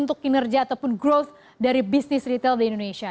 untuk kinerja ataupun growth dari bisnis retail di indonesia